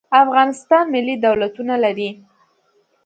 افغانستان ملي دولتونه لري.